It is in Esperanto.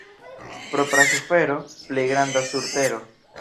Propra sufero — plej granda sur tero.